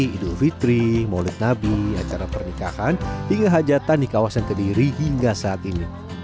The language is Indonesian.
idul fitri maulid nabi acara pernikahan hingga hajatan di kawasan kediri hingga saat ini